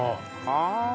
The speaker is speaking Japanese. ああ。